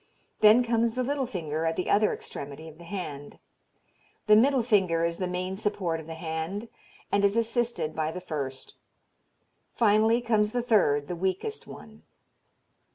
Then comes the little finger, at the other extremity of the hand. The middle finger is the main support of the hand, and is assisted by the first. Finally comes the third, the weakest one.